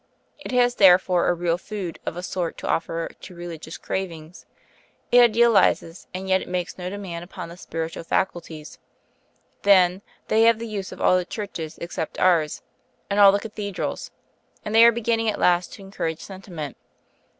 It has therefore a real food of a sort to offer to religious cravings; it idealises, and yet it makes no demand upon the spiritual faculties. Then, they have the use of all the churches except ours, and all the Cathedrals; and they are beginning at last to encourage sentiment.